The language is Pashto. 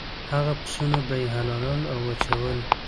هغه پسونه به یې حلالول او وچول.